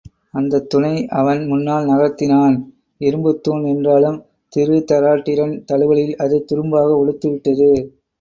அந்தத் துணை அவன் முன்னால் நகர்த்தினான் இரும்புத் தூண் என்றாலும் திருதராட்டிரன் தழுவலில் அது துரும்பாக உலுத்துவிட்டது.